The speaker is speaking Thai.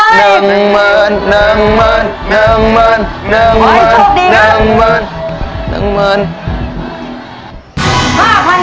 นางเมินนางเมินนางเมินนางเมินนางเมินนางเมิน